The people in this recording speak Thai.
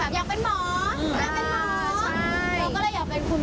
ทุกคนก็จะแบบอยากเป็นหมอ